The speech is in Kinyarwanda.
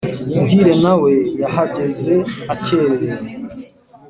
muhire nawe yahageze akererewe